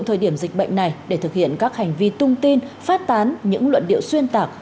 thời điểm dịch bệnh này để thực hiện các hành vi tung tin phát tán những luận điệu xuyên tạc